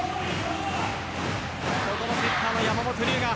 ここもセッターの山本龍。